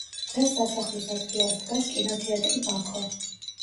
დღეს სასახლის ადგილას დგას კინოთეატრი „ბაქო“.